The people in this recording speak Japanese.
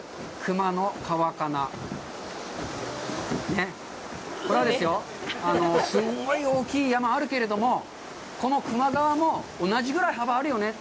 ねっ、これはですよ、すんごい大きい山はあるけれども、この球磨川も同じぐらい幅あるよね。